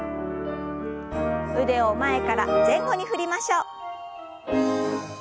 腕を前から前後に振りましょう。